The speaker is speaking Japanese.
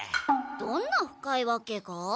どんな深いわけが？